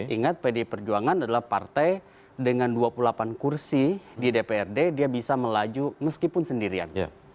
ingat pdi perjuangan adalah partai dengan dua puluh delapan kursi di dprd dia bisa melaju meskipun sendirian